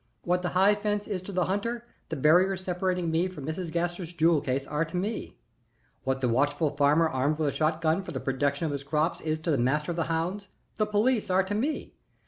What the high fence is to the hunter, the barriers separating me from Mrs. Gaster's jewel case are to me; what the watchful farmer armed with a shot gun for the protection of his crops is to the master of the hounds, the police are to me.